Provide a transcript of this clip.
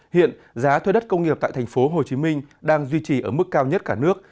hiện giá thuê đất công nghiệp tại tp hcm đang duy trì ở mức cao nhất cả nước